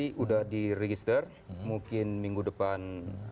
sudah diregister mungkin minggu depan